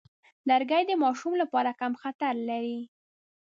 لرګی د ماشوم لپاره کم خطر لري.